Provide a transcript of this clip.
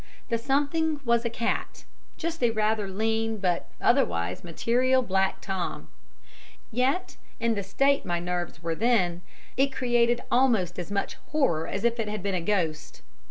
The something was a cat, just a rather lean but otherwise material, black Tom; yet, in the state my nerves were then, it created almost as much horror as if it had been a ghost.